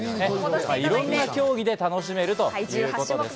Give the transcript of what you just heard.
いろんな競技で楽しめるということです。